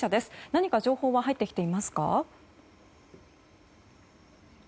何か情報は入ってきていますか。